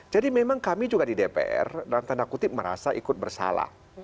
jadi memang kami juga di dpr dalam tanda kutip merasa ikut bersalah